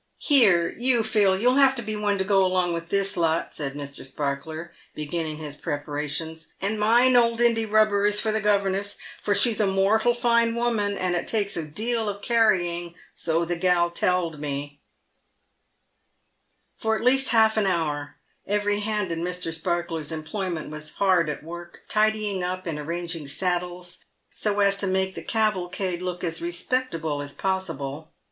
" Here, you Phil, you'll have to be one to go along with this lot," said Mr. Sparkler, beginning his preparations ;" and mind old Indy 162 PAVED WITH GOLD. Rubber is for the governess, for she's a mortal fine woman, and takes a deal of carrying, so the gal telled me," For at least half an hour every hand in Mr. Sparkler's employ ment was hard at work, tidying up and arranging saddles, so as to make the cavalcade look as respectable as possible.